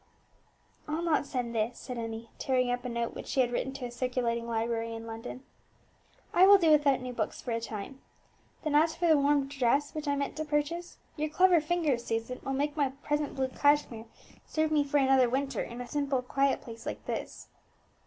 "I'll not send this," said Emmie, tearing up a note which she had written to a circulating library in London; "I will do without new books for a time. Then as for the warm dress which I meant to purchase, your clever fingers, Susan, will make my present blue cashmere serve me for another winter in a quiet place like this."